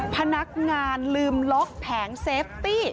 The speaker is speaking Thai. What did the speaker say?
พนักงานลืมล็อกแผงเซฟตี้